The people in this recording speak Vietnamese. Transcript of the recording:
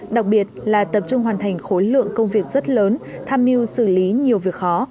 đặc biệt là tập trung hoàn thành khối lượng công việc rất lớn tham mưu xử lý nhiều việc khó